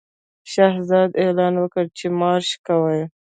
شهزاده اعلان وکړ چې مارش کوي.